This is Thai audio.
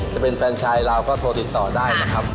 จะเป็นแฟนชายเราก็โทรติดต่อได้นะครับ